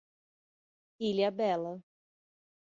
Ilhabela